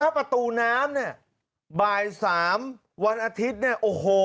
แล้วก็ก็ประตูน้ำเนี่ยบากมัน๓นาทีในวันอาทิตย์เนี่ยโอัวโฮ